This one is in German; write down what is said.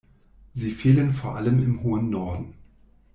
Sie fehlen vor allem im hohen Norden.